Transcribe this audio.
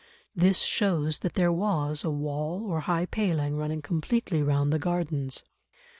This shows that there was a wall or high paling running completely round the Gardens.